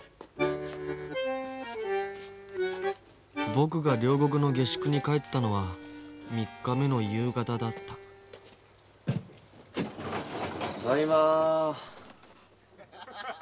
僕が両国の下宿に帰ったのは３日目の夕方だったただいま。